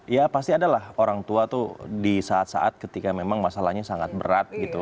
ya pasti adalah orang tua tuh di saat saat ketika memang masalahnya sangat berat gitu